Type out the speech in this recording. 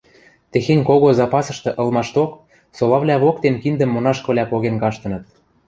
Техень кого запасышты ылмашток солавлӓ воктен киндӹм монашкывлӓ поген каштыныт.